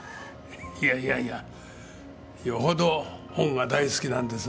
いやいやいやよほど本が大好きなんですね。